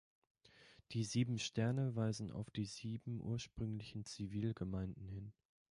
Die sieben Sterne weisen auf die sieben ursprünglichen Zivilgemeinden hin.